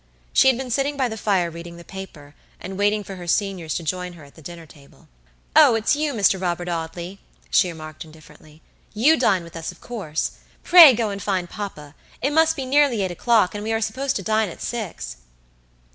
She had been sitting by the fire reading the paper, and waiting for her seniors to join her at the dinner table. "Oh, it's you, Mr. Robert Audley." she remarked, indifferently. "You dine with us of course. Pray go and find papa. It must be nearly eight o'clock, and we are supposed to dine at six."